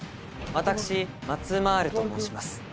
私、マツマルと申します。